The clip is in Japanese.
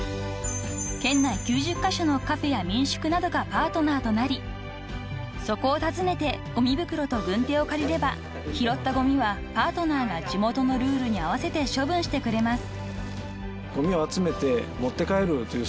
［県内９０カ所のカフェや民宿などがパートナーとなりそこを訪ねてごみ袋と軍手を借りれば拾ったごみはパートナーが地元のルールに合わせて処分してくれます］